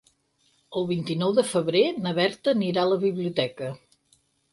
El vint-i-nou de febrer na Berta anirà a la biblioteca.